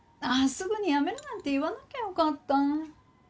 ああすぐに辞めるなんて言わなきゃよかった。